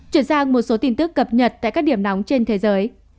chuyển sang một số tin tức cập nhật tại các điểm nóng trên thế giới